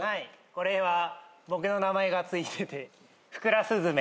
これは僕の名前がついてて。